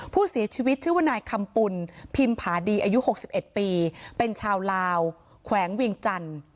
ผู้เสียชีวิตชื่อว่านายคำปุ่นพิมผาดีอายุ๖๑ปีเป็นชาวลาวแขวงเวียงจันทร์